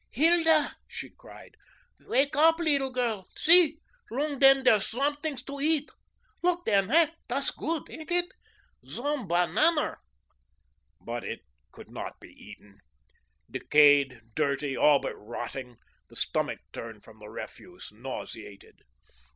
"Hilda," she cried, "wake oop, leedle girl. See, loog den, dere's somedings to eat. Look den, hey? Dat's goot, ain't it? Zum bunaner." But it could not be eaten. Decayed, dirty, all but rotting, the stomach turned from the refuse, nauseated.